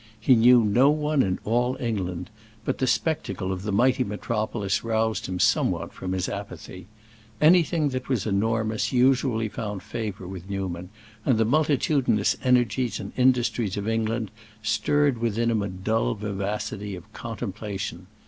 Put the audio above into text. He knew no one in all England, but the spectacle of the mighty metropolis roused him somewhat from his apathy. Anything that was enormous usually found favor with Newman, and the multitudinous energies and industries of England stirred within him a dull vivacity of contemplation.